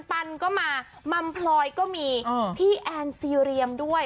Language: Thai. ปันก็มามัมพลอยก็มีพี่แอนซีเรียมด้วย